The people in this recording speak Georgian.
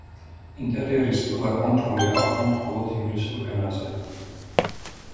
ინტერიერის ყველა კონტროლი ახლა მხოლოდ ინგლისურ ენაზეა.